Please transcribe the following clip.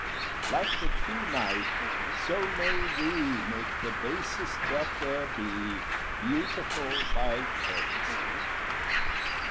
Like the true knight, so may we Make the basest that there be Beautiful by Courtesy!